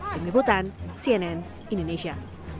tim liputan cnn indonesia